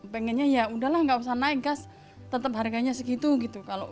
pengennya ya udahlah nggak usah naik gas tetap harganya segitu gitu